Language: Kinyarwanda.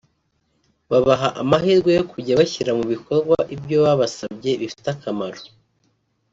babaha amahirwe yo kujya bashyira mu bikorwa ibyo babasabye bifite akamaro